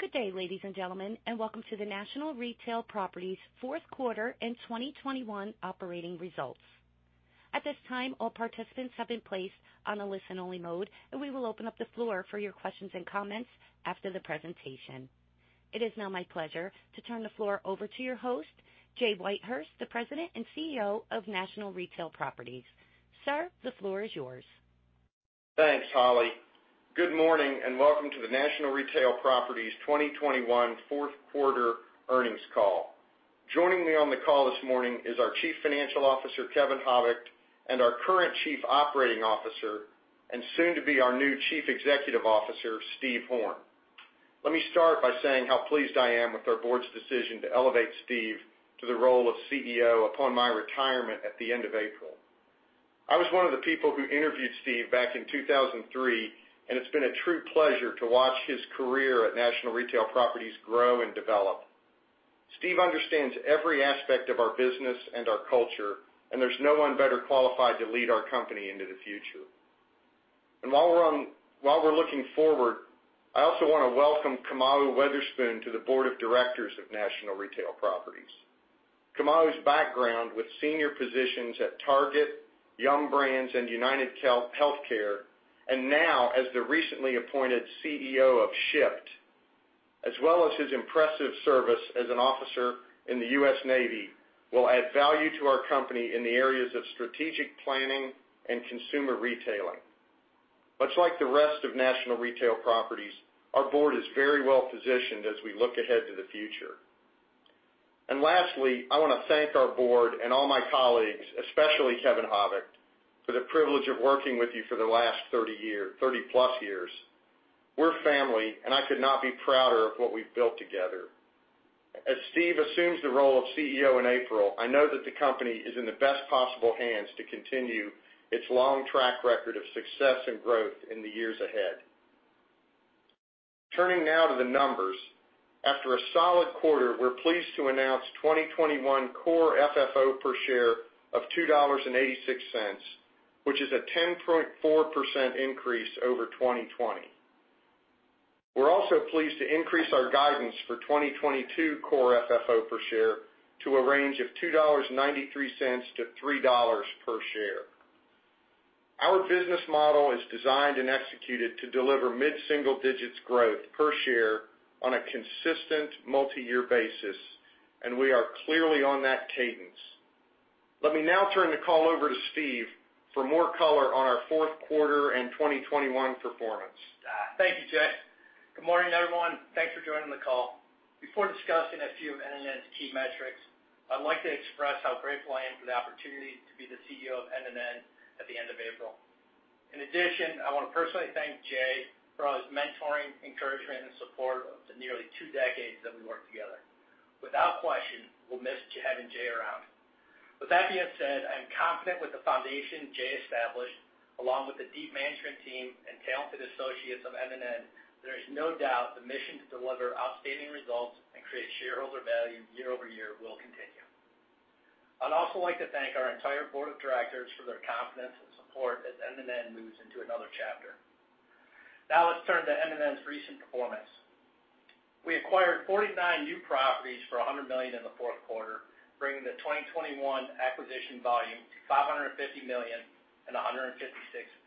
Good day, ladies and gentlemen, and welcome to the National Retail Properties Q4 and 2021 operating results. At this time, all participants have been placed on a listen-only mode, and we will open up the floor for your questions and comments after the presentation. It is now my pleasure to turn the floor over to your host, Jay Whitehurst, the President and CEO of National Retail Properties. Sir, the floor is yours. Thanks, Holly. Good morning and welcome to the National Retail Properties 2021 Q4 earnings call. Joining me on the call this morning is our Chief Financial Officer, Kevin Habicht, and our current Chief Operating Officer, and soon to be our new Chief Executive Officer, Steve Horn. Let me start by saying how pleased I am with our board's decision to elevate Steve to the role of CEO upon my retirement at the end of April. I was one of the people who interviewed Steve back in 2003, and it's been a true pleasure to watch his career at National Retail Properties grow and develop. Steve understands every aspect of our business and our culture, and there's no one better qualified to lead our company into the future. While we're looking forward, I also wanna welcome Kamau Witherspoon to the board of directors of National Retail Properties. Kamau's background with senior positions at Target, Yum! Brands, and UnitedHealthcare, and now as the recently appointed CEO of Shipt, as well as his impressive service as an officer in the U.S. Navy, will add value to our company in the areas of strategic planning and consumer retailing. Much like the rest of National Retail Properties, our board is very well-positioned as we look ahead to the future. Lastly, I wanna thank our board and all my colleagues, especially Kevin Habicht, for the privilege of working with you for the last 30+ years. We're family, and I could not be prouder of what we've built together. As Steve assumes the role of CEO in April, I know that the company is in the best possible hands to continue its long track record of success and growth in the years ahead. Turning now to the numbers. After a solid quarter, we're pleased to announce 2021 core FFO per share of $2.86, which is a 10.4% increase over 2020. We're also pleased to increase our guidance for 2022 core FFO per share to a range of $2.93-$3 per share. Our business model is designed and executed to deliver mid-single digits growth per share on a consistent multi-year basis, and we are clearly on that cadence. Let me now turn the call over to Steve for more color on our Q4 and 2021 performance. Thank you, Jay. Good morning, everyone. Thanks for joining the call. Before discussing a few of NNN's key metrics, I'd like to express how grateful I am for the opportunity to be the CEO of NNN at the end of April. In addition, I wanna personally thank Jay for his mentoring, encouragement, and support over the nearly two decades that we worked together. Without question, we'll miss having Jay around. With that being said, I am confident with the foundation Jay established, along with the deep management team and talented associates of NNN, there is no doubt the mission to deliver outstanding results and create shareholder value year-over-year will continue. I'd also like to thank our entire board of directors for their confidence and support as NNN moves into another chapter. Now let's turn to NNN's recent performance. We acquired 49 new properties for $100 million in the Q4, bringing the 2021 acquisition volume to $550 million and 156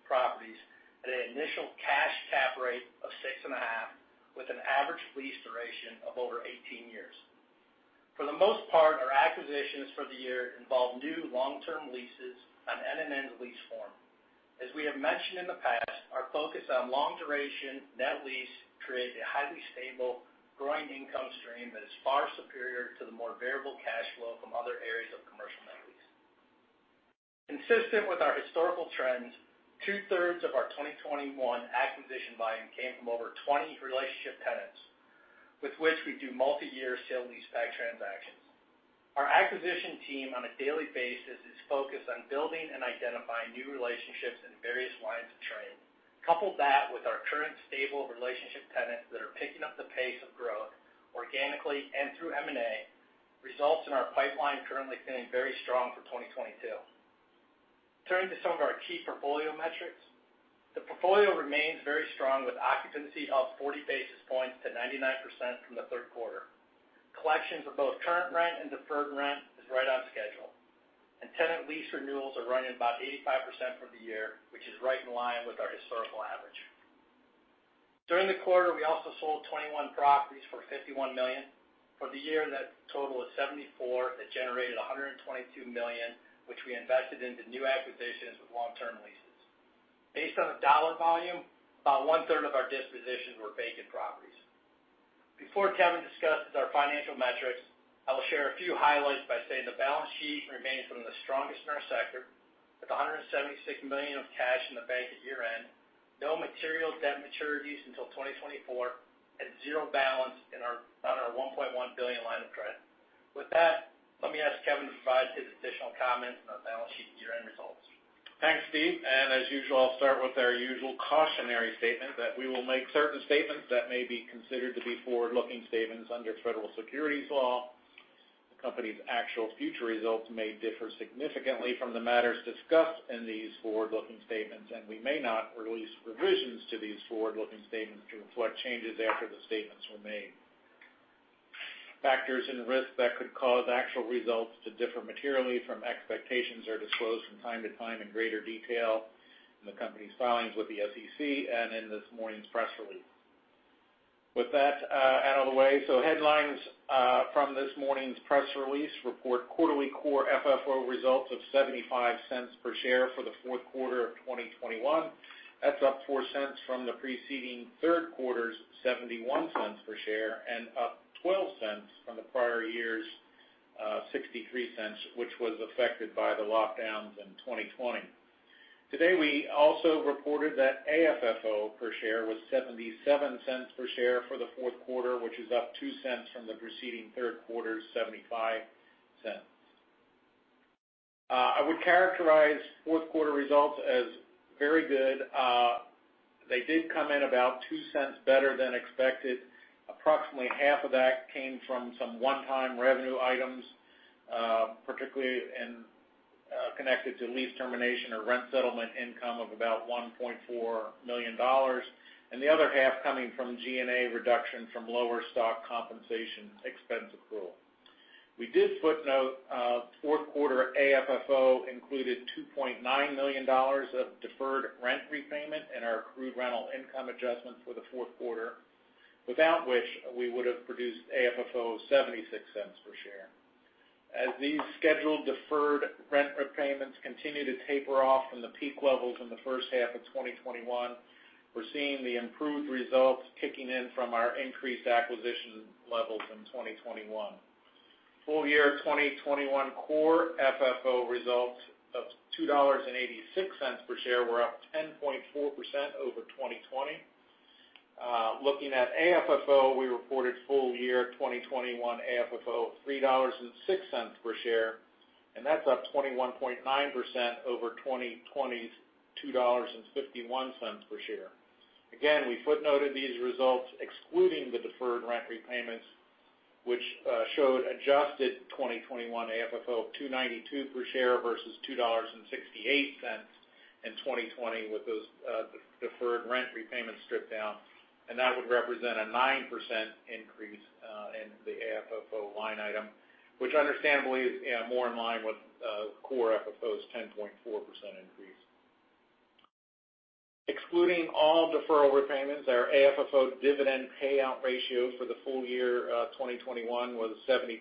properties at an initial cash cap rate of 6.5%, with an average lease duration of over 18 years. For the most part, our acquisitions for the year involve new long-term leases on NNN's lease form. As we have mentioned in the past, our focus on long duration net lease create a highly stable growing income stream that is far superior to the more variable cash flow from other areas of commercial net lease. Consistent with our historical trends, 2/3 of our 2021 acquisition volume came from over 20 relationship tenants, with which we do multiyear sale leaseback transactions. Our acquisition team on a daily basis is focused on building and identifying new relationships in various lines of trade. Couple that with our current stable relationships with tenants that are picking up the pace of growth organically and through M&A results in our pipeline currently feeling very strong for 2022. Turning to some of our key portfolio metrics. The portfolio remains very strong with occupancy up 40 basis points to 99% from the Q3. Collections of both current rent and deferred rent is right on schedule, and tenant lease renewals are running about 85% for the year, which is right in line with our historical average. During the quarter, we also sold 21 properties for $51 million. For the year, that total is 74. That generated $122 million, which we invested into new acquisitions with long-term leases. Based on the dollar volume, about one-third of our dispositions were vacant properties. Before Kevin discusses our financial metrics, I will share a few highlights by saying the balance sheet remains one of the strongest in our sector with $176 million of cash in the bank at year-end, no material debt maturities until 2024, and zero balance on our $1.1 billion line of credit. With that, let me ask Kevin to provide his additional comments on the balance sheet year-end results. Thanks, Steve. As usual, I'll start with our usual cautionary statement that we will make certain statements that may be considered to be forward-looking statements under federal securities law. The company's actual future results may differ significantly from the matters discussed in these forward-looking statements, and we may not release revisions to these forward-looking statements to reflect changes after the statements were made. Factors and risks that could cause actual results to differ materially from expectations are disclosed from time to time in greater detail in the company's filings with the SEC and in this morning's press release. With that out of the way, headlines from this morning's press release report quarterly core FFO results of $0.75 per share for the Q4 of 2021. That's up $0.04 from the preceding Q3's $0.71 per share and up $0.12 from the prior year's $0.63, which was affected by the lockdowns in 2020. Today, we also reported that AFFO per share was $0.77 per share for the Q4, which is up $0.02 from the preceding Q3's $0.75. I would characterize Q4 results as very good. They did come in about $0.02 better than expected. Approximately half of that came from some one-time revenue items, particularly connected to lease termination or rent settlement income of about $1.4 million. The other half coming from G&A reduction from lower stock compensation expense accrual. We did footnote Q4 AFFO included $2.9 million of deferred rent repayment in our accrued rental income adjustment for the Q4, without which we would have produced AFFO of $0.76 per share. As these scheduled deferred rent repayments continue to taper off from the peak levels in the H1 of 2021, we're seeing the improved results kicking in from our increased acquisition levels in 2021. Full year 2021 core FFO results of $2.86 per share were up 10.4% over 2020. Looking at AFFO, we reported full year 2021 AFFO of $3.06 per share, and that's up 21.9% over 2020's $2.51 per share. Again, we footnoted these results excluding the deferred rent repayments, which showed adjusted 2021 AFFO of $2.92 per share versus $2.68 in 2020 with those deferred rent repayments stripped out. That would represent a 9% increase in the AFFO line item, which understandably is more in line with core FFO's 10.4% increase. Excluding all deferral repayments, our AFFO dividend payout ratio for the full year 2021 was 72%,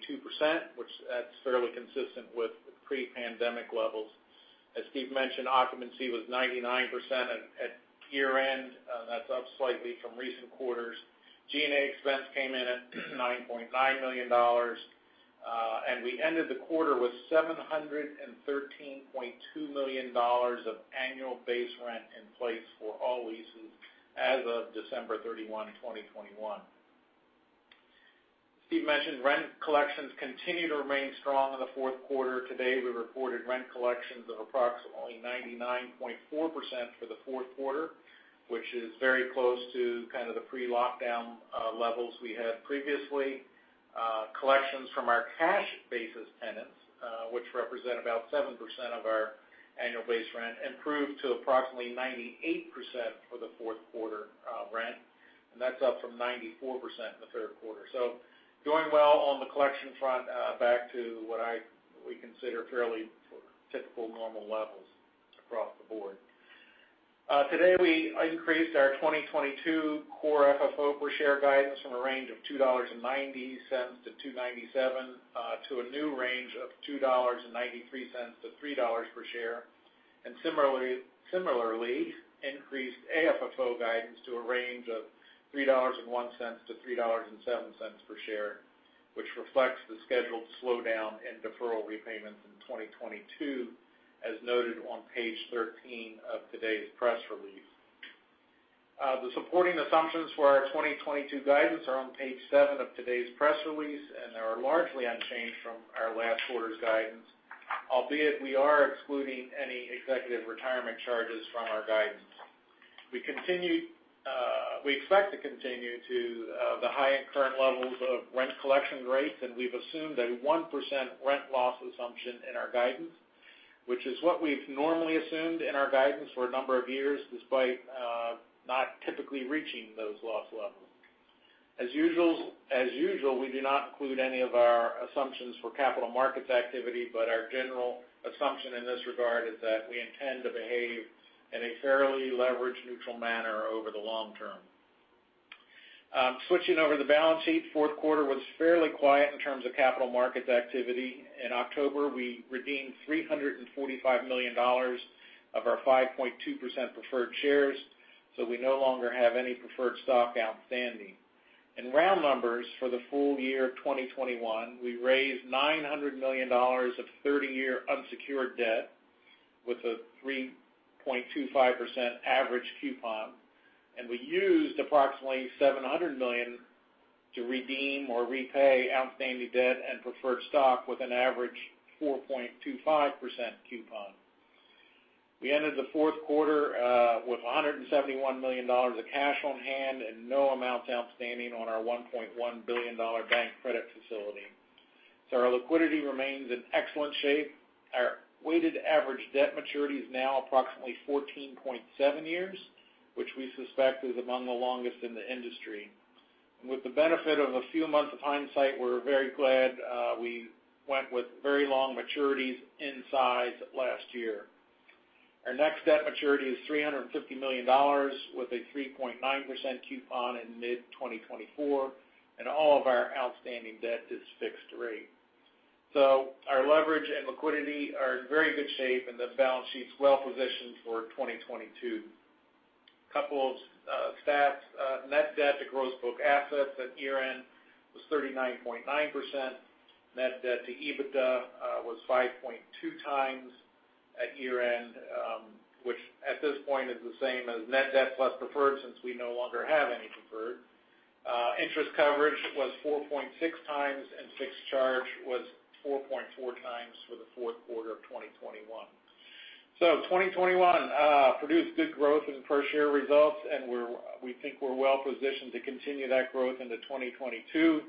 which is fairly consistent with pre-pandemic levels. As Steve mentioned, occupancy was 99% at year-end. That's up slightly from recent quarters. G&A expense came in at $9.9 million. We ended the quarter with $713.2 million of annual base rent in place for all leases as of December 31, 2021. Steve mentioned rent collections continue to remain strong in the Q4. Today, we reported rent collections of approximately 99.4% for the Q4, which is very close to kind of the pre-lockdown levels we had previously. Collections from our cash basis tenants, which represent about 7% of our annual base rent, improved to approximately 98% for the Q4 rent. That's up from 94% in the Q3. Going well on the collection front, back to what we consider fairly typical normal levels across the board. Today, we increased our 2022 core FFO per share guidance from a range of $2.90-$2.97 to a new range of $2.93-$3 per share. Similarly, increased AFFO guidance to a range of $3.01-$3.07 per share, which reflects the scheduled slowdown in deferral repayments in 2022, as noted on page 13 of today's press release. The supporting assumptions for our 2022 guidance are on page 7 of today's press release, and they are largely unchanged from our last quarter's guidance, albeit we are excluding any executive retirement charges from our guidance. We expect to continue to the high end current levels of rent collection rates, and we've assumed a 1% rent loss assumption in our guidance, which is what we've normally assumed in our guidance for a number of years, despite not typically reaching those loss levels. As usual, we do not include any of our assumptions for capital markets activity, but our general assumption in this regard is that we intend to behave in a fairly leverage neutral manner over the long term. Switching over the balance sheet. Q4 was fairly quiet in terms of capital markets activity. In October, we redeemed $345 million of our 5.2% preferred shares, so we no longer have any preferred stock outstanding. In round numbers for the full year of 2021, we raised $900 million of 30-year unsecured debt with a 3.25% average coupon, and we used approximately $700 million to redeem or repay outstanding debt and preferred stock with an average 4.25% coupon. We ended the Q4 with $171 million of cash on hand and no amounts outstanding on our $1.1 billion bank credit facility. Our liquidity remains in excellent shape. Our weighted average debt maturity is now approximately 14.7 years, which we suspect is among the longest in the industry. With the benefit of a few months of hindsight, we're very glad we went with very long maturities in size last year. Our next debt maturity is $350 million with a 3.9% coupon in mid-2024, and all of our outstanding debt is fixed-rate. Our leverage and liquidity are in very good shape, and the balance sheet's well positioned for 2022. Couple of stats. Net debt to gross book assets at year-end was 39.9%. Net debt to EBITDA was 5.2x at year-end, which at this point is the same as net debt plus preferred since we no longer have any preferred. Interest coverage was 4.6x, and fixed charge was 4.4x for the Q4 of 2021. 2021 produced good growth in per share results, and we think we're well positioned to continue that growth into 2022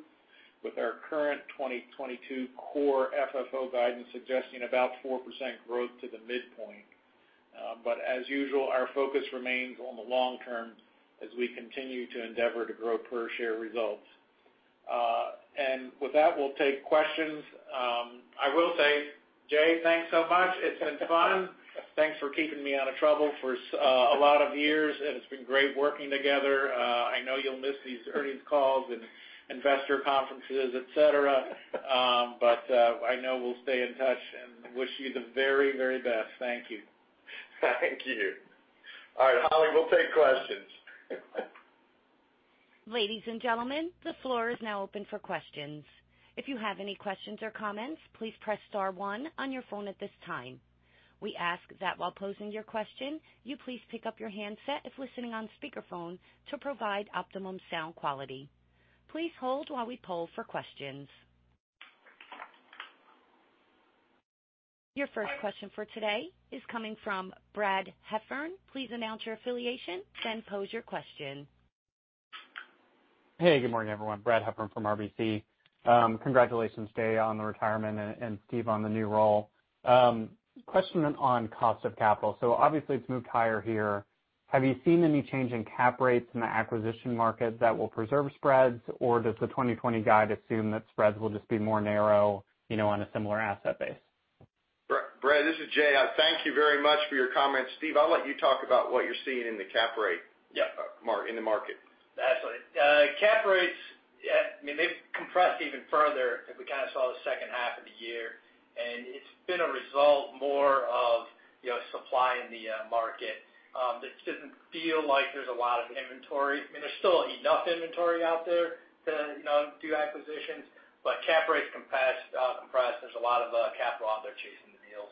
with our current 2022 core FFO guidance suggesting about 4% growth to the midpoint. As usual, our focus remains on the long term as we continue to endeavor to grow per share results. With that, we'll take questions. I will say, Jay, thanks so much. It's been fun. Thanks for keeping me out of trouble for a lot of years, and it's been great working together. I know you'll miss these earnings calls and investor conferences, et cetera. I know we'll stay in touch and wish you the very, very best. Thank you. Thank you. All right, Holly, we'll take questions. Ladies and gentlemen, the floor is now open for questions. If you have any questions or comments, please press star one on your phone at this time. We ask that while posing your question, you please pick up your handset if listening on speakerphone to provide optimum sound quality. Please hold while we poll for questions. Your first question for today is coming from Brad Heffern. Please announce your affiliation, then pose your question. Hey, good morning, everyone. Brad Heffern from RBC. Congratulations, Jay, on the retirement and Steve on the new role. Question on cost of capital. Obviously it's moved higher here. Have you seen any change in cap rates in the acquisition market that will preserve spreads, or does the 2020 guide assume that spreads will just be more narrow, you know, on a similar asset base? Brad, this is Jay. Thank you very much for your comments. Steve, I'll let you talk about what you're seeing in the cap rate. Yeah. In the market. Absolutely. Cap rates, I mean, they've compressed even further as we kind of saw the H2 of the year, and it's been a result more of, you know, supply in the market. It doesn't feel like there's a lot of inventory. I mean, there's still enough inventory out there to, you know, do acquisitions, but cap rates compressed. There's a lot of capital out there chasing the deals.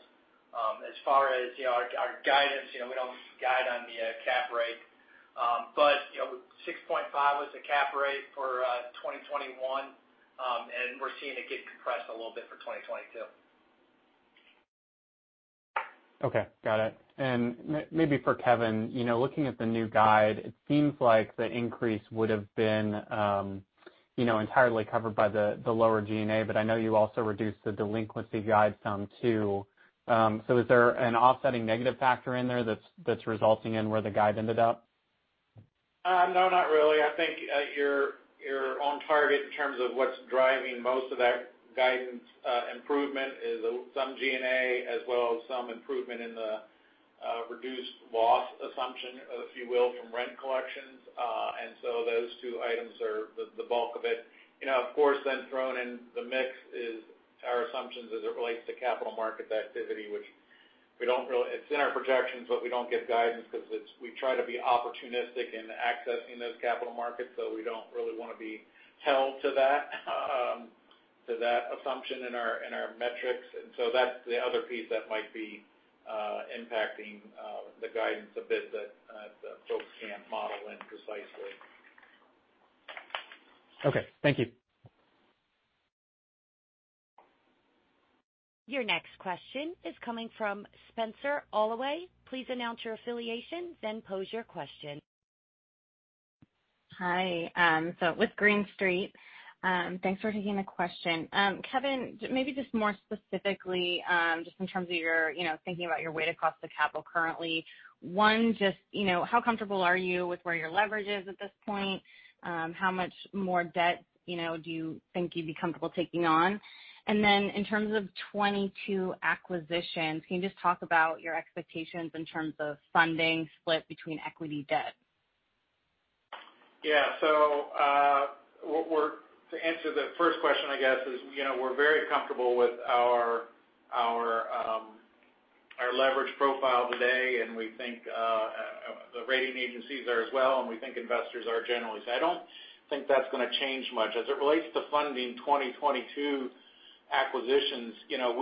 As far as, you know, our guidance, you know, we don't guide on the cap rate. You know, 6.5 was the cap rate for 2021, and we're seeing it get compressed a little bit for 2022. Okay. Got it. Maybe for Kevin, you know, looking at the new guide, it seems like the increase would've been, you know, entirely covered by the lower G&A, but I know you also reduced the delinquency guide some too. Is there an offsetting negative factor in there that's resulting in where the guide ended up? No, not really. I think you're on target in terms of what's driving most of that guidance. The improvement is some G&A as well as some improvement in the reduced loss assumption, if you will, from rent collections. Those two items are the bulk of it. You know, of course, thrown in the mix is our assumptions as it relates to capital market activity. It's in our projections, but we don't give guidance because we try to be opportunistic in accessing those capital markets, so we don't really wanna be held to that assumption in our metrics. That's the other piece that might be impacting the guidance a bit that the folks can't model in precisely. Okay. Thank you. Your next question is coming from Spenser Allaway. Please announce your affiliation, then pose your question. Hi. With Green Street. Thanks for taking the question. Kevin, maybe just more specifically, just in terms of your, you know, thinking about your weighted cost of capital currently. One, just, you know, how comfortable are you with where your leverage is at this point? How much more debt, you know, do you think you'd be comfortable taking on? In terms of 2022 acquisitions, can you just talk about your expectations in terms of funding split between equity debt? To answer the first question, I guess is, you know, we're very comfortable with our leverage profile today, and we think the rating agencies are as well, and we think investors are generally. I don't think that's gonna change much. As it relates to funding 2022 acquisitions, you know,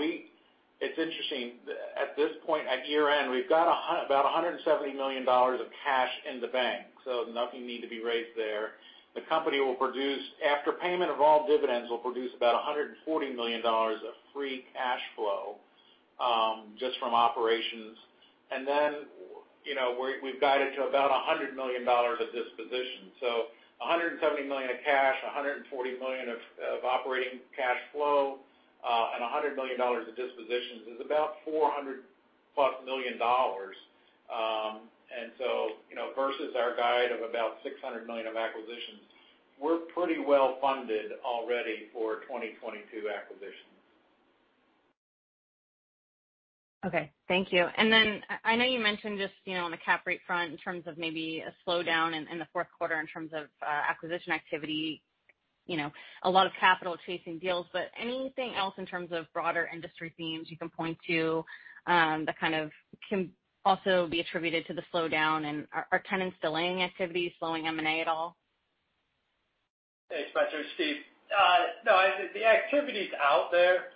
it's interesting. At this point, at year-end, we've got about $170 million of cash in the bank, so nothing need to be raised there. The company will produce, after payment of all dividends, about $140 million of free cash flow, just from operations. You know, we've guided to about $100 million of dispositions. $170 million of cash, $140 million of operating cash flow, and $100 million of dispositions is about $400+ million. You know, versus our guide of about $600 million of acquisitions, we're pretty well-funded already for 2022 acquisitions. Okay. Thank you. I know you mentioned just, you know, on the cap rate front in terms of maybe a slowdown in the Q4 in terms of acquisition activity, you know, a lot of capital chasing deals. Anything else in terms of broader industry themes you can point to, that kind of can also be attributed to the slowdown and are tenants delaying activity, slowing M&A at all? Hey, Spenser, it's Steve. No, I think the activity's out there,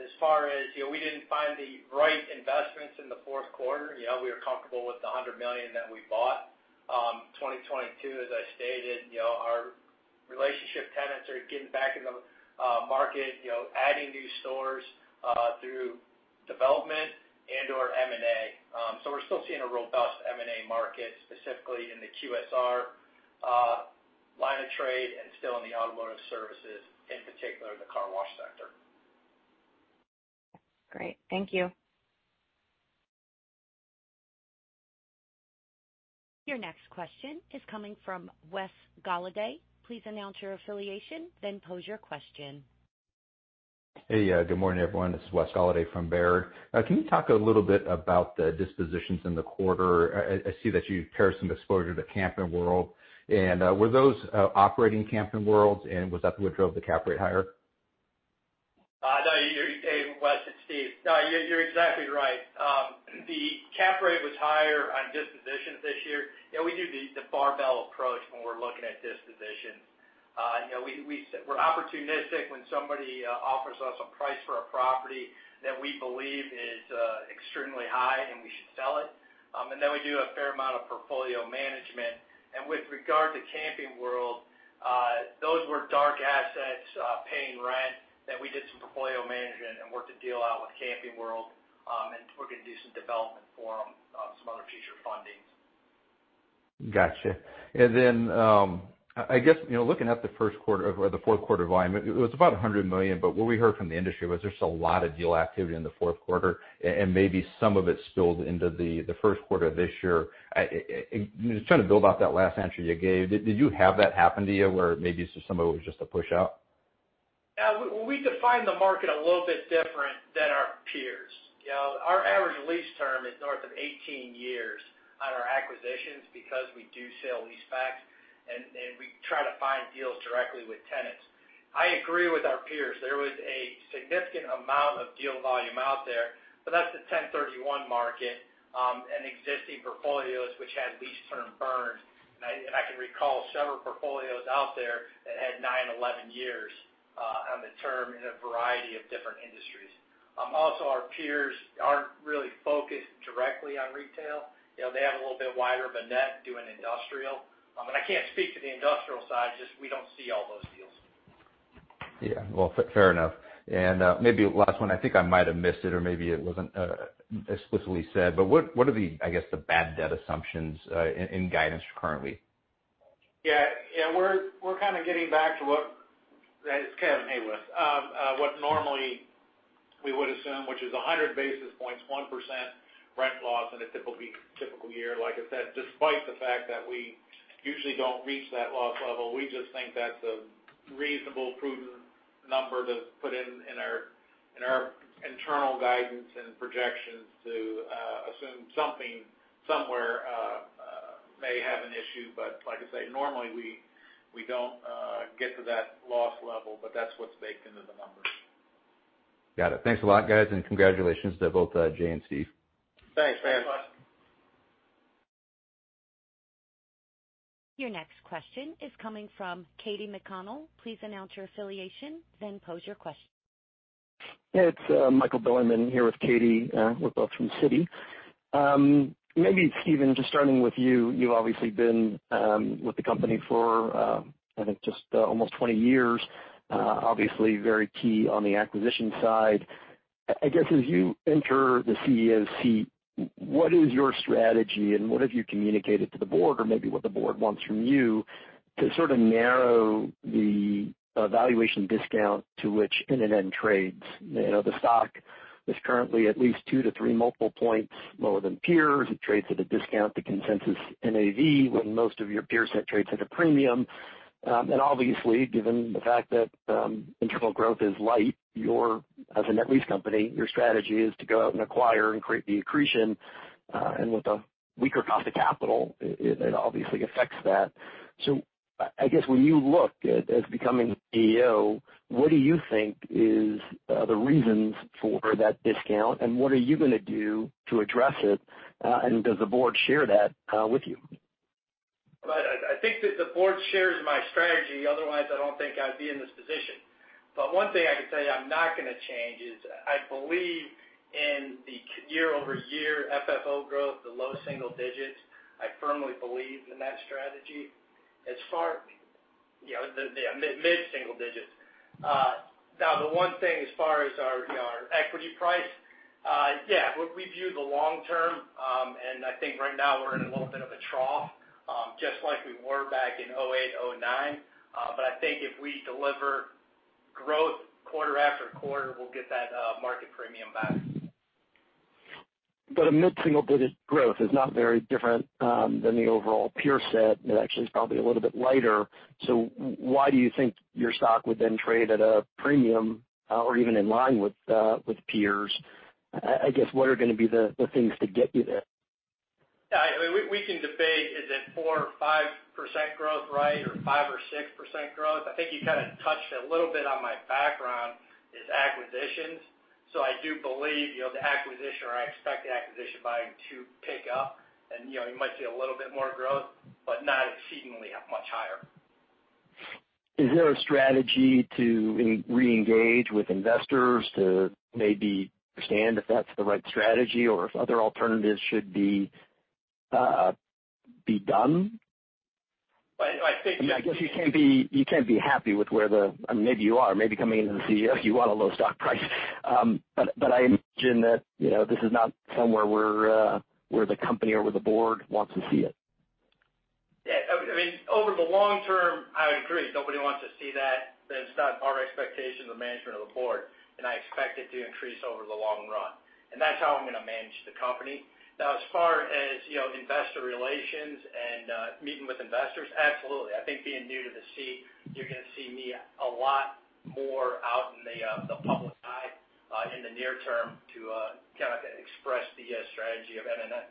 as far as, you know, we didn't find the right investments in the Q4. You know, we were comfortable with the $100 million that we bought. 2022, as I stated, you know, our relationship tenants are getting back in the market, you know, adding new stores through development and/or M&A. So we're still seeing a robust M&A market, specifically in the QSR line of trade and still in the automotive services, in particular the car wash sector. Great. Thank you. Your next question is coming from Wes Golladay. Please announce your affiliation, then pose your question. Hey, good morning, everyone. This is Wes Golladay from Baird. Can you talk a little bit about the dispositions in the quarter? I see that you've trimmed some exposure to Camping World, and were those operating Camping Worlds, and was that what drove the cap rate higher? Hey, Wes, it's Steve. You're exactly right. The cap rate was higher on dispositions this year. You know, we do the barbell approach when we're looking at dispositions. You know, we're opportunistic when somebody offers us a price for a property that we believe is extremely high and we should sell it. We do a fair amount of portfolio management. With regard to Camping World, those were dark assets paying rent that we did some portfolio management and worked a deal out with Camping World, and we're gonna do some development for them on some other future fundings. Gotcha. Then, I guess, you know, looking at the Q1 or the Q4 volume, it was about $100 million, but what we heard from the industry was there's a lot of deal activity in the Q4 and maybe some of it spilled into the Q1 of this year. Just trying to build off that last answer you gave. Did you have that happen to you, where maybe some of it was just a push out? We define the market a little bit different than our peers. You know, our average lease term is north of 18 years on our acquisitions because we do sale leasebacks and we try to find deals directly with tenants. I agree with our peers. There was a significant amount of deal volume out there, but that's the 1031 market, and existing portfolios which had lease term burn. I can recall several portfolios out there that had 9, 11 years on the term in a variety of different industries. Also our peers aren't really focused directly on retail. You know, they have a little bit wider of a net doing industrial. I can't speak to the industrial side, just we don't see all those deals. Yeah. Well, fair enough. Maybe last one, I think I might have missed it or maybe it wasn't explicitly said, but what are the, I guess, the bad debt assumptions in guidance currently? Yeah.. It's Kevin. Hey, Wes. We're kind of getting back to what normally we would assume, which is 100 basis points, 1% rent loss in a typical year. Like I said, despite the fact that we usually don't reach that loss level, we just think that's a reasonable, prudent number to put in our internal guidance and projections to assume something somewhere may have an issue. Like I say, normally we don't get to that loss level, but that's what's baked into the numbers. Got it. Thanks a lot, guys, and congratulations to both, Jay and Steve. Thanks. Thanks, Wes. Your next question is coming from Katy McConnell. Please announce your affiliation, then pose your question. It's Michael Bilerman here with Katy, we're both from Citi. Maybe, Steve, just starting with you've obviously been with the company for, I think just, almost 20 years, obviously very key on the acquisition side. I guess as you enter the CEO seat, what is your strategy and what have you communicated to the board or maybe what the board wants from you to sort of narrow the valuation discount to which NNN trades? You know, the stock is currently at least 2-3 multiple points lower than peers. It trades at a discount to consensus NAV when most of your peers trade at a premium. Obviously, given the fact that internal growth is light, you, as a net lease company, your strategy is to go out and acquire and create the accretion, and with a weaker cost of capital, it obviously affects that. I guess when you look at it as becoming CEO, what do you think is the reasons for that discount, and what are you gonna do to address it, and does the board share that with you? I think that the board shares my strategy, otherwise I don't think I'd be in this position. One thing I can tell you I'm not gonna change is I believe in year-over-year FFO growth, the low single digits. I firmly believe in that strategy. As far as the mid single digits. Now the one thing as far as our equity price, yeah, we view the long term, and I think right now we're in a little bit of a trough, just like we were back in 2008, 2009. I think if we deliver growth quarter-after-quarter, we'll get that market premium back. A mid-single-digit growth is not very different than the overall peer set. It actually is probably a little bit lighter, so why do you think your stock would then trade at a premium, or even in line with peers? I guess, what are gonna be the things to get you there? Yeah, I mean, we can debate is it 4% or 5% growth, right? Or 5% or 6% growth. I think you kind of touched a little bit on my background, is acquisitions. I do believe, you know, the acquisition or I expect the acquisition buying to pick up and, you know, you might see a little bit more growth, but not exceedingly up much higher. Is there a strategy to re-engage with investors to maybe understand if that's the right strategy or if other alternatives should be done? I think. I mean, I guess you can't be happy with where the. I mean, maybe you are. Maybe coming into the CEO, you want a low stock price. I imagine that, you know, this is not somewhere where the company or the board wants to see it. Yeah. I mean, over the long term, I would agree. Nobody wants to see that. That's not our expectation, the management or the board, and I expect it to increase over the long run. That's how I'm gonna manage the company. Now, as far as, you know, investor relations and, meeting with investors, absolutely. I think being new to the seat, you're gonna see me a lot more out in the public eye, in the near term to, kind of express the, strategy of NNN.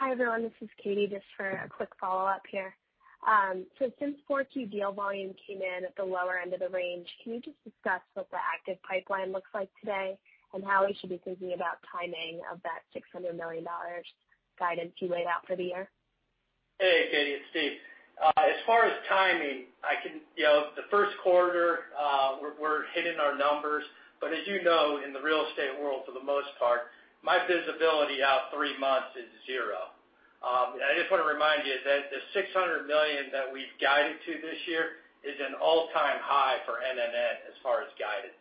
Hi, everyone. This is Katy, just for a quick follow-up here. Since Q4 deal volume came in at the lower end of the range, can you just discuss what the active pipeline looks like today and how we should be thinking about timing of that $600 million guidance you laid out for the year? Hey, Katy. It's Steve. As far as timing, you know, the first quarter, we're hitting our numbers. As you know, in the real estate world, for the most part, my visibility out three months is zero. I just wanna remind you that the $600 million that we've guided to this year is an all-time high for NNN as far as guidance.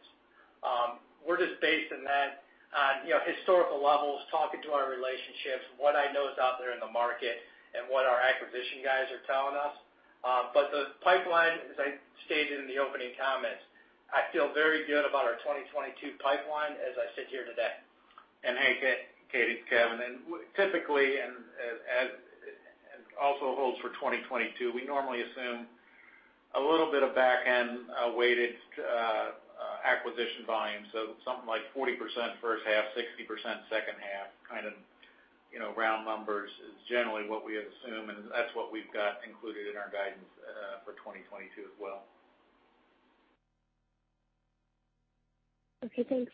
We're just basing that on, you know, historical levels, talking to our relationships, what I know is out there in the market, and what our acquisition guys are telling us. The pipeline, as I stated in the opening comments, I feel very good about our 2022 pipeline as I sit here today. Hey, Katy, it's Kevin. Typically, also holds for 2022, we normally assume a little bit of back-end weighted acquisition volume. Something like 40% H1, 60% H2, kind of, you know, round numbers is generally what we assume, and that's what we've got included in our guidance for 2022 as well. Okay, thanks.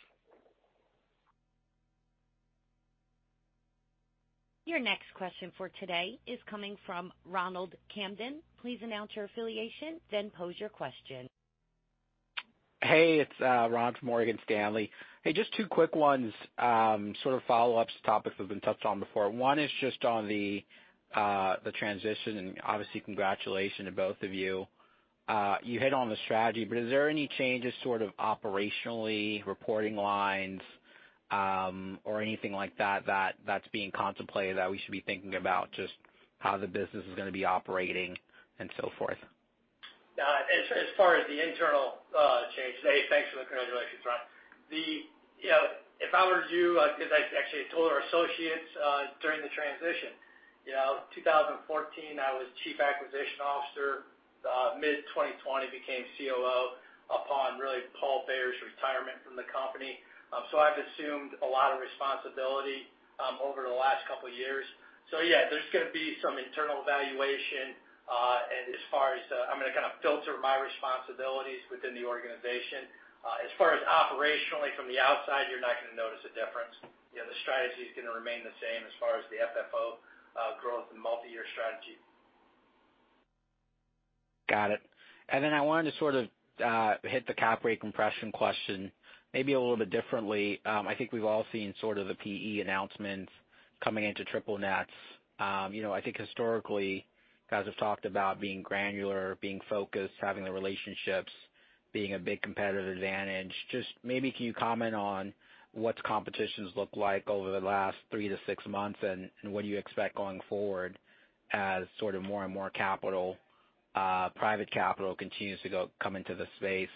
Your next question for today is coming from Ronald Kamdem. Please announce your affiliation, then pose your question. Hey, it's Ronald Kamdem from Morgan Stanley. Hey, just two quick ones, sort of follow-ups to topics that have been touched on before. One is just on the transition, and obviously congratulations to both of you. You hit on the strategy, but is there any changes sort of operationally, reporting lines, or anything like that's being contemplated that we should be thinking about just how the business is gonna be operating and so forth? As far as the internal changes. Hey, thanks for the congratulations, Ron. You know, if I were you, 'cause I actually told our associates during the transition. You know, 2014, I was Chief Acquisition Officer. Mid-2020 I became COO upon really Paul Bayer's retirement from the company. So I've assumed a lot of responsibility over the last couple years. Yeah, there's gonna be some internal evaluation, and as far as, I'm gonna kind of filter my responsibilities within the organization. As far as operationally from the outside, you're not gonna notice a difference. You know, the strategy is gonna remain the same as far as the FFO growth and multi-year strategy. Got it. Then I wanted to sort of hit the cap rate compression question maybe a little bit differently. I think we've all seen sort of the PE announcements coming into triple nets. You know, I think historically, you guys have talked about being granular, being focused, having the relationships, being a big competitive advantage. Just maybe can you comment on what's competition's looked like over the last 3-6 months, and what do you expect going forward as sort of more and more capital, private capital continues to come into the space?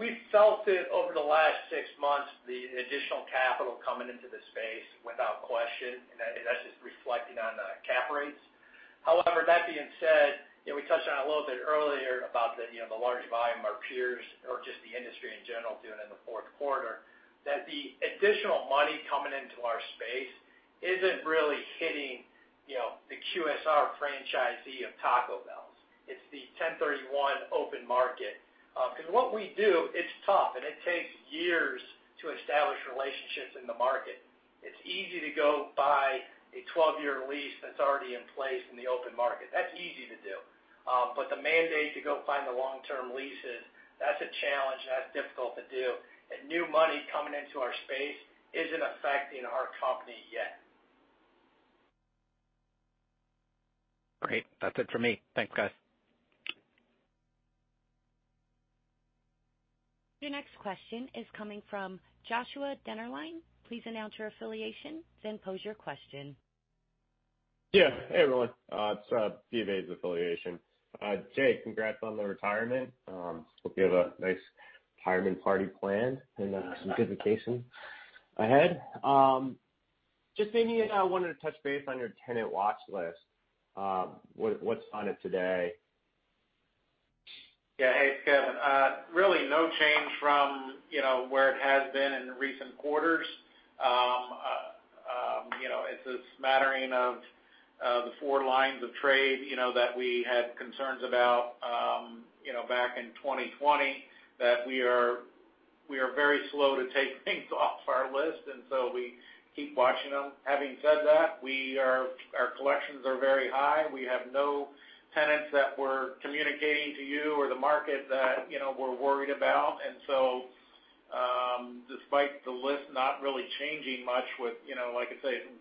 We've felt it over the last six months, the additional capital coming into the space without question. That's just reflecting on cap rates. However, that being said, you know, we touched on it a little bit earlier about you know the large volume our peers or just the industry in general doing in the Q4, that the additional money coming into our space isn't really hitting you know the QSR franchisee of Taco Bells. It's the 1031 open market. 'Cause what we do, it's tough and it takes years to establish relationships in the market. It's easy to go buy a 12-year lease that's already in place in the open market. That's easy to do. The mandate to go find the long-term leases, that's a challenge, and that's difficult to do. New money coming into our space isn't affecting our company yet. Great. That's it for me. Thanks, guys. Your next question is coming from Joshua Dennerlein. Please announce your affiliation, then pose your question. Yeah. Hey, everyone. It's BofA affiliation. Jay, congrats on the retirement. Hope you have a nice retirement party planned and some good vacation ahead. Just maybe wanted to touch base on your tenant watch list. What's on it today? Yeah. Hey, it's Kevin. Really no change from, you know, where it has been in recent quarters. You know, it's a smattering of the four lines of trade, you know, that we had concerns about, you know, back in 2020 that we are very slow to take things off our list, and so we keep watching them. Having said that, our collections are very high. We have no tenants that we're communicating to you or the market that, you know, we're worried about. Despite the list not really changing much with, you know, like I say, some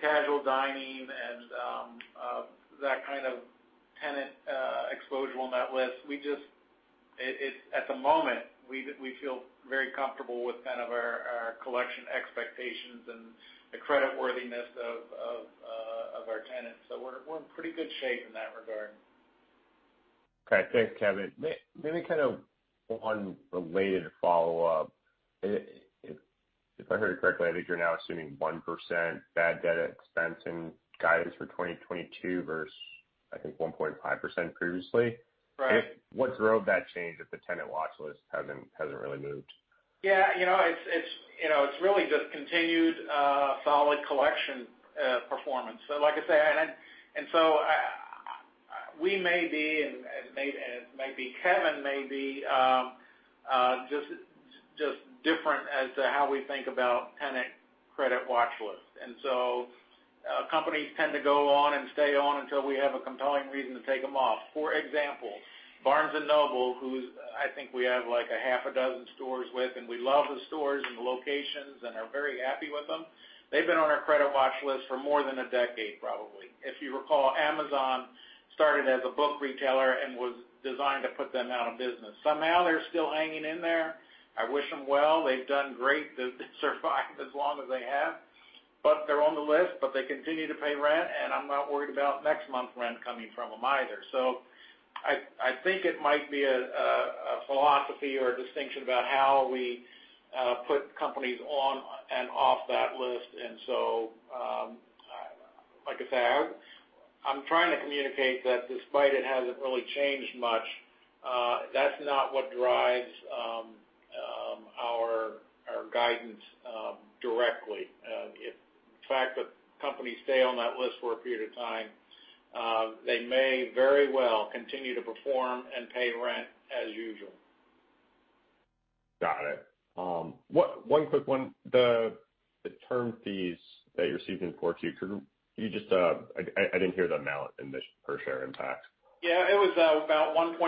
casual dining and that kind of tenant exposure on that list, we just. At the moment, we feel very comfortable with kind of our collection expectations and the creditworthiness of our tenants. We're in pretty good shape in that regard. Okay. Thanks, Kevin. Maybe kind of one related follow-up. If I heard correctly, I think you're now assuming 1% bad debt expense in guidance for 2022 versus, I think, 1.5% previously. Right. What drove that change if the tenant watch list hasn't really moved? Yeah. You know, it's really just continued solid collection performance. Like I said, we may be and maybe Kevin may be just different as to how we think about tenant credit watch list. Companies tend to go on and stay on until we have a compelling reason to take them off. For example, Barnes & Noble, who I think we have, like, half a dozen stores with, and we love the stores and the locations and are very happy with them, they've been on our credit watch list for more than a decade probably. If you recall, Amazon started as a book retailer and was designed to put them out of business. Somehow, they're still hanging in there. I wish them well. They've done great to survive as long as they have. They're on the list, but they continue to pay rent, and I'm not worried about next month's rent coming from them either. I think it might be a philosophy or a distinction about how we put companies on and off that list. Like I said, I'm trying to communicate that despite it hasn't really changed much, that's not what drives our guidance directly. If the fact that companies stay on that list for a period of time, they may very well continue to perform and pay rent as usual. Got it. One quick one. The term fees that you're seeing in 4-2, could you just? I didn't hear the amount in this per share impact. Yeah. It was about $1.4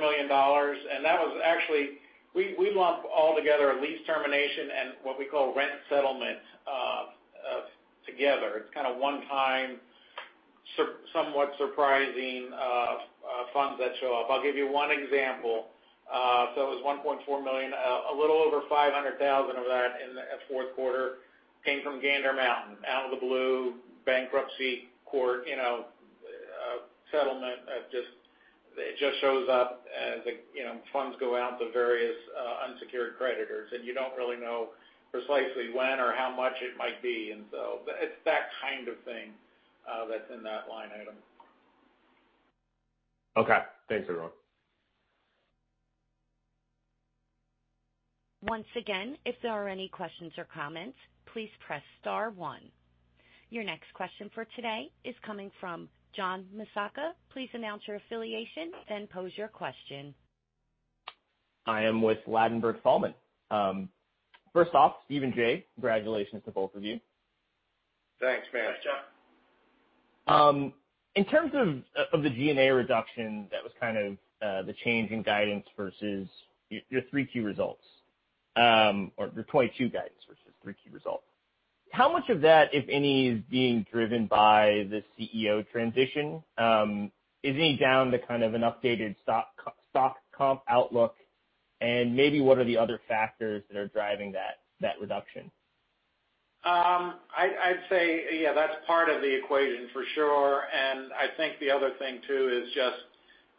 million, and that was actually. We lump all together a lease termination and what we call rent settlement together. It's kind of one-time somewhat surprising funds that show up. I'll give you one example. So it was $1.4 million, a little over $500,000 of that in the Q4 came from Gander Mountain, out of the blue bankruptcy court, you know, settlement that just shows up as a, you know, funds go out to various unsecured creditors. You don't really know precisely when or how much it might be. It's that kind of thing that's in that line item. Okay. Thanks, everyone. Once again, if there are any questions or comments, please press star one. Your next question for today is coming from John Massocca. Please announce your affiliation, then pose your question. I am with Ladenburg Thalmann. First off, Steve and Jay, congratulations to both of you. Thanks, man. Thanks, John. In terms of the G&A reduction, that was kind of the change in guidance versus your Q3 results or your 2022 guidance versus Q3 results. How much of that, if any, is being driven by the CEO transition? Is any down to kind of an updated stock comp outlook? And maybe what are the other factors that are driving that reduction? I'd say, yeah, that's part of the equation for sure. I think the other thing too is just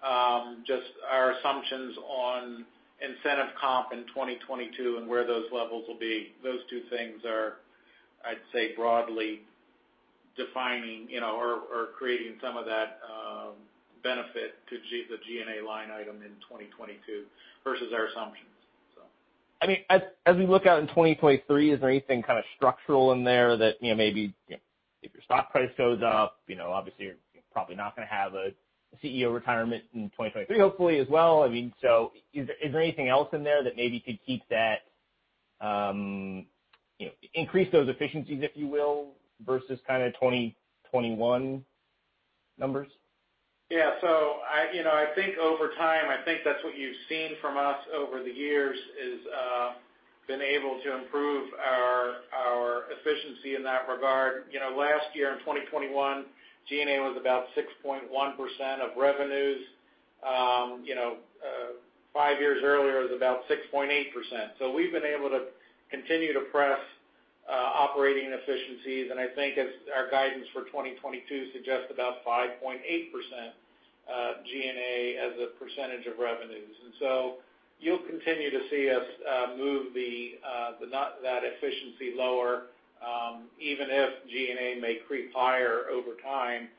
our assumptions on incentive comp in 2022 and where those levels will be. Those two things are, I'd say, broadly defining, you know, or creating some of that benefit to the G&A line item in 2022 versus our assumptions. I mean, as we look out in 2023, is there anything kind of structural in there that, you know, maybe, you know, if your stock price goes up, you know, obviously, you're probably not gonna have a CEO retirement in 2023, hopefully, as well. I mean, is there anything else in there that maybe could keep that, you know, increase those efficiencies, if you will, versus kind of 2021 numbers? Yeah. I, you know, I think over time, I think that's what you've seen from us over the years is been able to improve our efficiency in that regard. You know, last year in 2021, G&A was about 6.1% of revenues. You know, five years earlier, it was about 6.8%. We've been able to continue to press operating efficiencies, and I think as our guidance for 2022 suggests about 5.8% G&A as a percentage of revenues. You'll continue to see us move that efficiency lower, even if G&A may creep higher over time,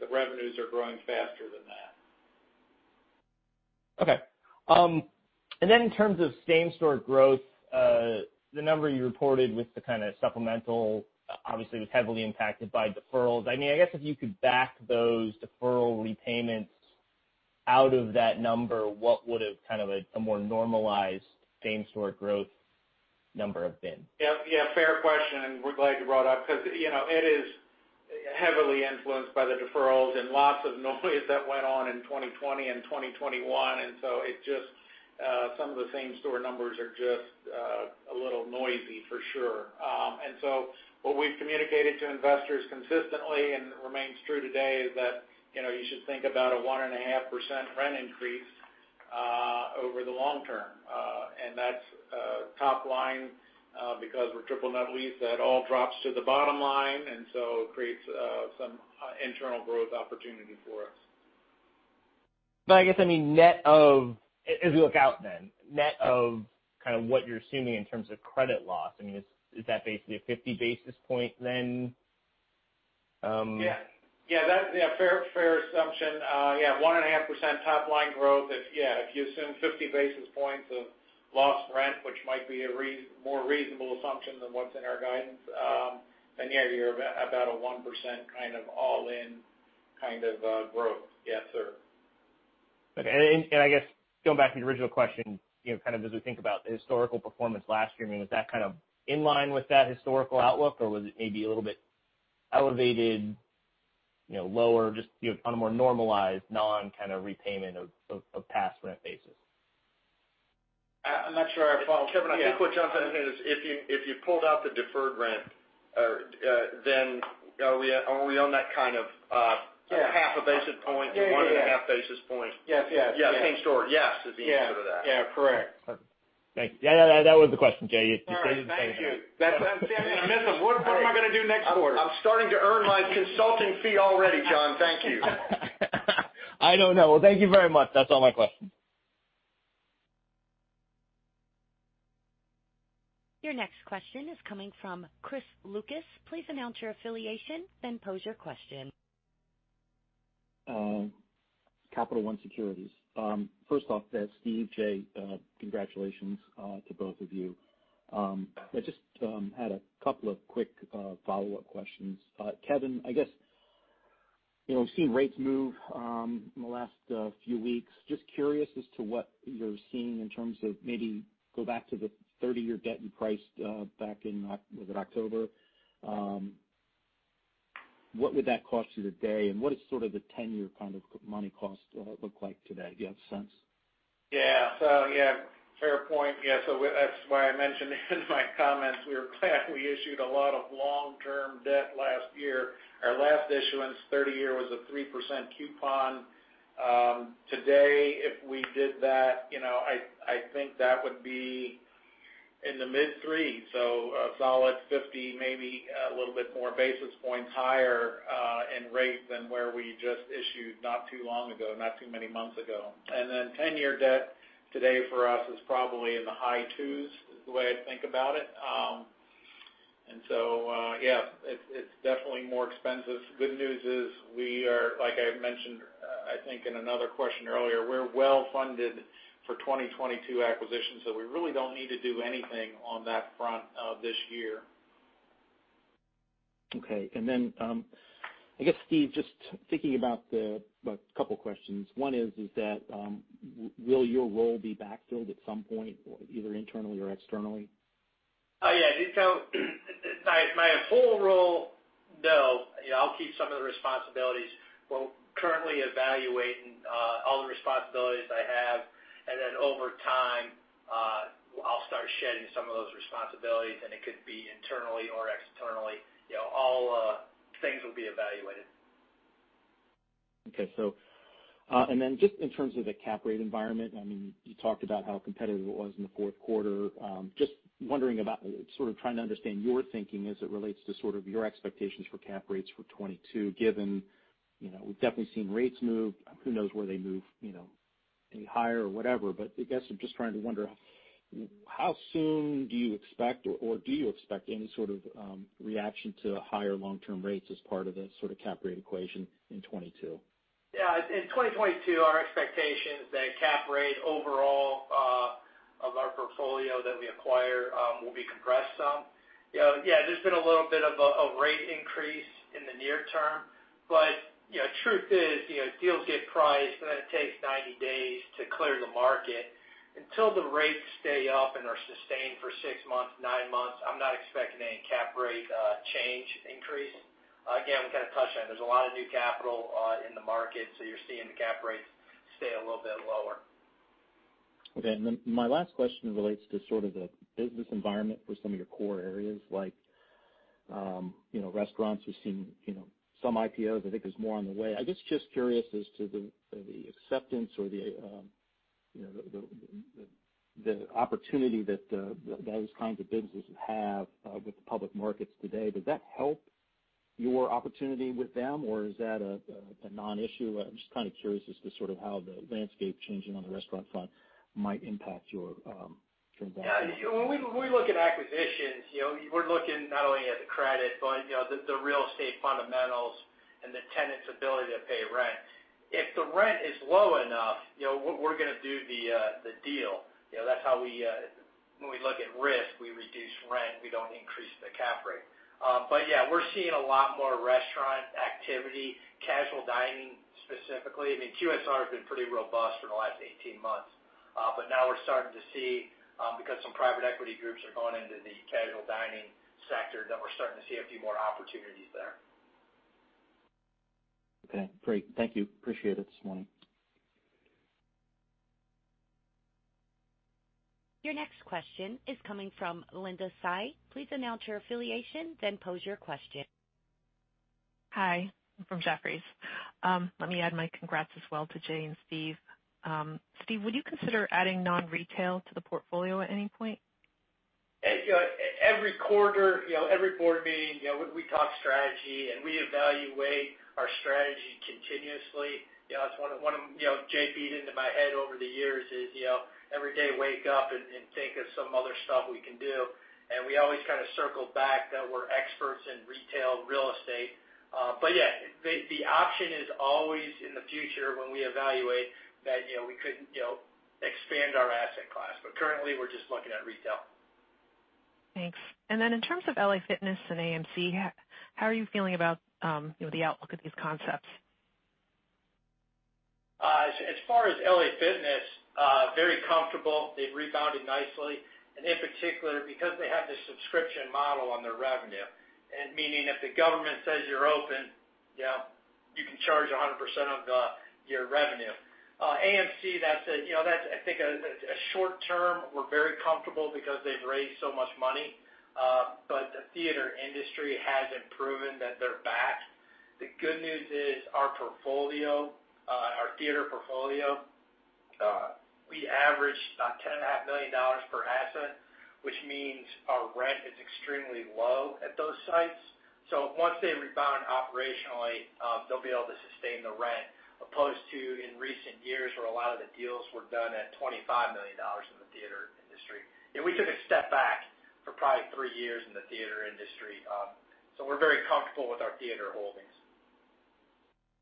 the revenues are growing faster than that. Okay. In terms of same-store growth, the number you reported with the kind of supplemental obviously was heavily impacted by deferrals. I mean, I guess if you could back those deferral repayments out of that number, what would a kind of a more normalized same-store growth number have been? Yeah. Yeah, fair question, and we're glad you brought it up because, you know, it is heavily influenced by the deferrals and lots of noise that went on in 2020 and 2021. It just some of the same store numbers are just a little noisy for sure. What we've communicated to investors consistently and remains true today is that, you know, you should think about a 1.5% rent increase over the long term. That's top line because we're triple net lease, that all drops to the bottom line, and so it creates some internal growth opportunity for us. I guess, I mean, net of as we look out then, net of kind of what you're assuming in terms of credit loss, I mean, is that basically a 50 basis points then? Yeah. Yeah, that's a fair assumption. Yeah, 1.5% top line growth if you assume 50 basis points of lost rent, which might be a more reasonable assumption than what's in our guidance, then yeah, you're about a 1% kind of all-in kind of growth. Yes, sir. Okay. I guess going back to the original question, you know, kind of as we think about the historical performance last year, I mean, was that kind of in line with that historical outlook, or was it maybe a little bit elevated, you know, lower just, you know, on a more normalized non kind of repayment of past rent basis? I'm not sure I follow. Kevin, I think what John's asking is if you pulled out the deferred rent, then are we on that kind of Yeah -half a basis point. Yeah, yeah. -or 1.5 basis points? Yes, yes. Yeah, same story. Yes, is the answer to that. Yeah. Yeah. Correct. Perfect. Thank you. Yeah, that was the question, Jay. You saved me saying that. All right. Thank you. I'm gonna miss him. What am I gonna do next quarter? I'm starting to earn my consulting fee already, John. Thank you. I don't know. Well, thank you very much. That's all my questions. Your next question is coming from Chris Lucas. Please announce your affiliation, then pose your question. Capital One Securities. First off, Steve, Jay, congratulations to both of you. I just had a couple of quick follow-up questions. Kevin, I guess, you know, we've seen rates move in the last few weeks. Just curious as to what you're seeing in terms of maybe go back to the 30-year debt you priced back in October? What would that cost you today, and what is sort of the 10-year kind of money cost look like today? Do you have a sense? Yeah, fair point. That's why I mentioned in my comments, we were glad we issued a lot of long-term debt last year. Our last issuance, 30-year, was a 3% coupon. Today, if we did that, you know, I think that would be in the mid-threes. A solid 50, maybe a little bit more basis points higher in rate than where we just issued not too long ago, not too many months ago. 10-year debt today for us is probably in the high twos, is the way I think about it. It's definitely more expensive. Good news is we are, like I mentioned, I think in another question earlier, we're well funded for 2022 acquisitions, so we really don't need to do anything on that front this year. Okay. I guess, Steve, just thinking about the, well, a couple questions. One is that, will your role be backfilled at some point, either internally or externally? My full role, no. You know, I'll keep some of the responsibilities. We're currently evaluating all the responsibilities I have, and then over time, I'll start shedding some of those responsibilities, and it could be internally or externally. You know, all things will be evaluated. Okay. Just in terms of the cap rate environment, I mean, you talked about how competitive it was in the Q4. Just wondering about sort of trying to understand your thinking as it relates to sort of your expectations for cap rates for 2022, given, you know, we've definitely seen rates move. Who knows where they move, you know, any higher or whatever. I guess I'm just trying to wonder how soon do you expect or do you expect any sort of reaction to higher long-term rates as part of the sort of cap rate equation in 2022? Yeah. In 2022, our expectation is that cap rate overall, Of our portfolio that we acquire will be compressed some. You know, yeah, there's been a little bit of a rate increase in the near term, but you know, truth is, you know, deals get priced, and then it takes 90 days to clear the market. Until the rates stay up and are sustained for 6 months, 9 months, I'm not expecting any cap rate change increase. Again, we kind of touched on it. There's a lot of new capital in the market, so you're seeing the cap rates stay a little bit lower. Okay. My last question relates to sort of the business environment for some of your core areas, like you know, restaurants. We've seen you know, some IPOs. I think there's more on the way. I guess just curious as to the acceptance or you know, the opportunity that those kinds of businesses have with the public markets today. Does that help your opportunity with them, or is that a non-issue? I'm just kind of curious as to sort of how the landscape changing on the restaurant front might impact your transactions. Yeah. When we look at acquisitions, you know, we're looking not only at the credit, but, you know, the real estate fundamentals and the tenant's ability to pay rent. If the rent is low enough, you know, we're gonna do the deal. You know, that's how we, when we look at risk, we reduce rent. We don't increase the cap rate. But yeah, we're seeing a lot more restaurant activity, casual dining specifically. I mean, QSR has been pretty robust for the last 18 months. But now we're starting to see, because some private equity groups are going into the casual dining sector, that we're starting to see a few more opportunities there. Okay, great. Thank you. Appreciate it this morning. Your next question is coming from Linda Tsai. Please announce your affiliation, then pose your question. Hi, from Jefferies. Let me add my congrats as well to Jay and Steve. Steve, would you consider adding non-retail to the portfolio at any point? You know, every quarter, you know, every board meeting, you know, we talk strategy, and we evaluate our strategy continuously. You know, that's one of, you know, Jay beat into my head over the years is, you know, every day, wake up and think of some other stuff we can do. We always kind of circle back that we're experts in retail real estate. Yeah, the option is always in the future when we evaluate that, you know, we could, you know, expand our asset class, but currently we're just looking at retail. Thanks. In terms of LA Fitness and AMC, how are you feeling about, you know, the outlook of these concepts? As far as LA Fitness, very comfortable. They've rebounded nicely. In particular, because they have this subscription model on their revenue, and meaning if the government says you're open, you know, you can charge 100% of the, your revenue. AMC, that's, you know, that's I think a short term. We're very comfortable because they've raised so much money, but the theater industry hasn't proven that they're back. The good news is our portfolio, our theater portfolio, we average about $10.5 million per asset, which means our rent is extremely low at those sites. Once they rebound operationally, they'll be able to sustain the rent, as opposed to in recent years where a lot of the deals were done at $25 million in the theater industry. You know, we took a step back for probably three years in the theater industry. We're very comfortable with our theater holdings.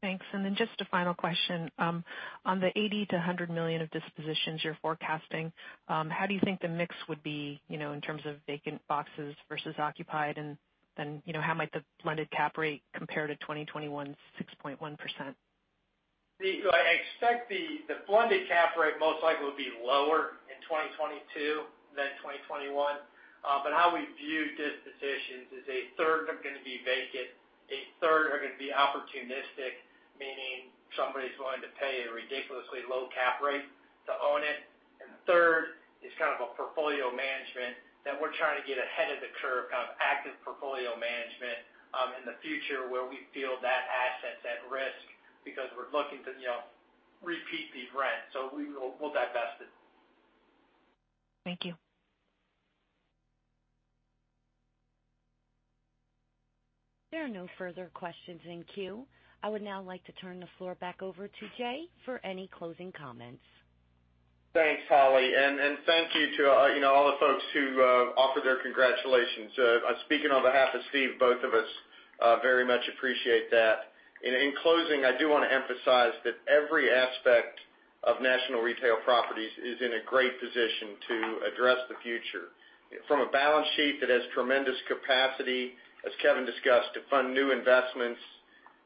Thanks. Then just a final question. On the $80 million-$100 million of dispositions you're forecasting, how do you think the mix would be, you know, in terms of vacant boxes versus occupied? Then, you know, how might the blended cap rate compare to 2021's 6.1%? I expect the blended cap rate most likely will be lower in 2022 than 2021. How we view dispositions is a third are gonna be vacant, a third are gonna be opportunistic, meaning somebody's willing to pay a ridiculously low cap rate to own it. The third is kind of a portfolio management that we're trying to get ahead of the curve, kind of active portfolio management, in the future where we feel that asset's at risk because we're looking to, you know, repeat these rents, so we'll divest it. Thank you. There are no further questions in queue. I would now like to turn the floor back over to Jay for any closing comments. Thanks, Holly. Thank you to, you know, all the folks who offered their congratulations. Speaking on behalf of Steve, both of us very much appreciate that. In closing, I do wanna emphasize that every aspect of National Retail Properties is in a great position to address the future. From a balance sheet that has tremendous capacity, as Kevin discussed, to fund new investments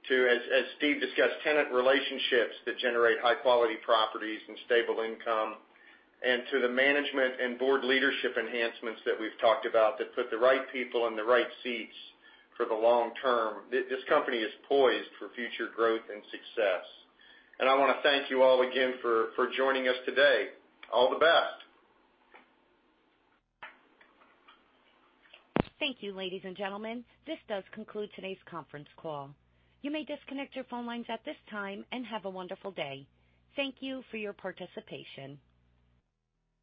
to, as Steve discussed, tenant relationships that generate high-quality properties and stable income, and to the management and board leadership enhancements that we've talked about that put the right people in the right seats for the long term. This company is poised for future growth and success. I wanna thank you all again for joining us today. All the best.f Thank you, ladies and gentlemen. This does conclude today's conference call. You may disconnect your phone lines at this time, and have a wonderful day. Thank you for your participation.